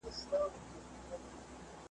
بس دا یو خوی مي د پښتنو دی ,